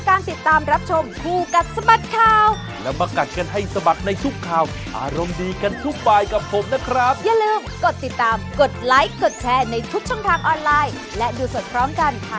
การแทรกที่ดีชอบราชิกสอง